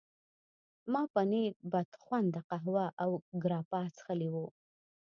ما پنیر، بدخونده قهوه او ګراپا څښلي وو.